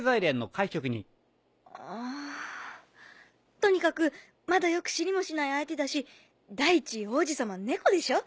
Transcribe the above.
とにかくまだよく知りもしない相手だし第一王子様猫でしょ？